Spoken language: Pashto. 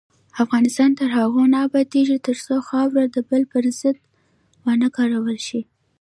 افغانستان تر هغو نه ابادیږي، ترڅو خاوره د بل پر ضد ونه کارول شي.